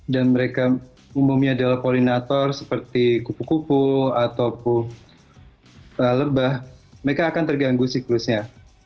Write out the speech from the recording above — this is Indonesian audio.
dan mereka umumnya adalah polinator seperti kupu kupu atau lebah mereka akan terganggu siklusnya